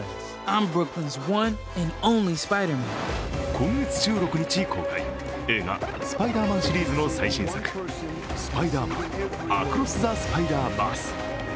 今月１６日公開映画「スパイダーマン」シリーズの最新作、「スパイダーマン：アクロス・ザ・スパイダーバース」。